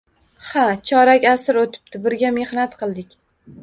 Ha, chorak asr oʻtibdi, birga mehnat qildik.